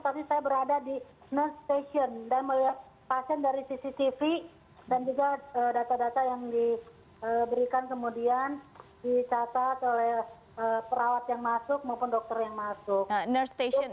tapi saya berada di nus station dan melihat pasien dari cctv dan juga data data yang diberikan kemudian dicatat oleh perawat yang masuk maupun dokter yang masuk